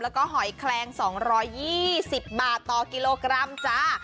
แล้วก็หอยแคลง๒๒๐บาทต่อกิโลกรัมจ้า